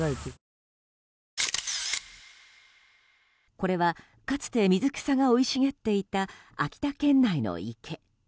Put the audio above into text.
これはかつて水草が生い茂っていた秋田県内の池。